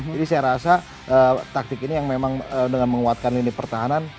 jadi saya rasa taktik ini yang memang dengan menguatkan lini pertahanan